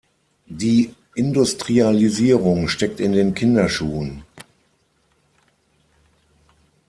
Die Industrialisierung steckt in den Kinderschuhen.